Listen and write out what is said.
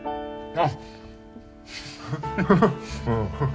あっ！